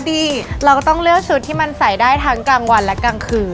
ดีเราก็ต้องเลือกชุดที่มันใส่ได้ทั้งกลางวันและกลางคืน